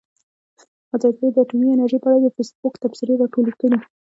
ازادي راډیو د اټومي انرژي په اړه د فیسبوک تبصرې راټولې کړي.